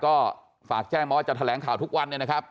ก็ฝากแจ้งมาว่าจะแถลงข่าวทุกวันเนี่ยนะครับ